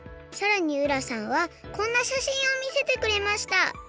さらに浦さんはこんなしゃしんをみせてくれました